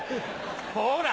ほら。